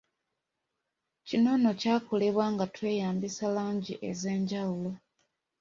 Kino nno kyakolebwa nga tweyambisa langi ez’enjawulo.